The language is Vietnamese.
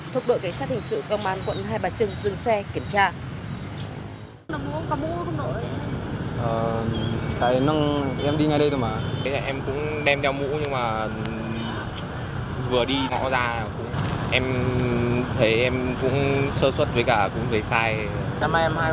thuộc đội kế sát hình sự công an quận hai bà trừng dừng xe kiểm tra